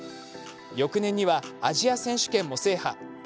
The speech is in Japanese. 翌年にはアジア選手権も制覇。